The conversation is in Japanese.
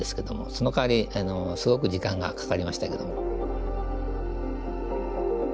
そのかわりすごく時間がかかりましたけども。